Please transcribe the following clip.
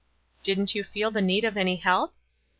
"Didn't you feel the need of any help?"